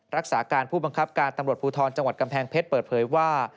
รักษาการผู้บังคับการตำรวจภูทรจังหวัดกำแพงเพชรเปิดเผยว่า